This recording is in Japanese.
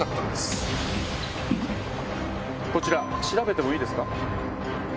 こちら調べてもいいですか？